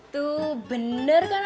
tuh bener kan apa kata rika